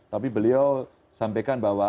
tapi beliau sampaikan bahwa